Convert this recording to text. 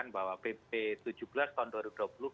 ini bukan tidak memerlukan interpretasi ulang